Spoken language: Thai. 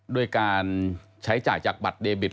ด้วยการใช้จ่ายจากบัตรเดบิต